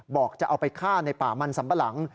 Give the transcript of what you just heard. บอกจะเอาไปฆ่าในป่ามันสัมปะหลัง